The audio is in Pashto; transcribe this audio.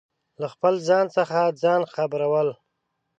له خپل ځان څخه ځان خبرو ل